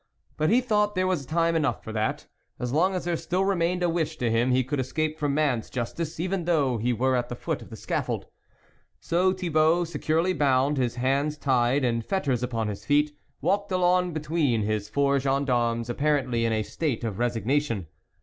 But he thought there was time enough for that ; as long as there still remained a wish to him, he could escape from man's justice, even though he were at the foot of the scaffold. So, Thibault, securely bound, his hands tied, and fetters upon his feet, walked along between his four gendarmes, apparently in a state of resignation.